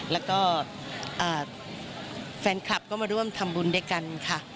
แล้วก็แฟนคลับก็มาร่วมทำบุญด้วยกันค่ะ